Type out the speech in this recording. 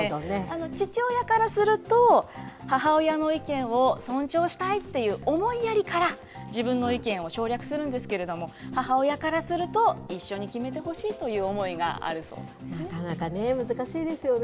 父親からすると、母親の意見を尊重したいという思いやりから、自分の意見を省略するんですけれども、母親からすると、一緒に決めてほしいという思いがあるそうなかなかね、難しいですよね。